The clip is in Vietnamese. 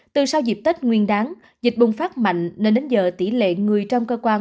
từ sau dịp tết nguyên đáng dịch bùng phát mạnh nên đến giờ tỷ lệ người trong cơ quan